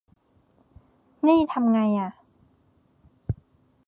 นี่ทำไงอะ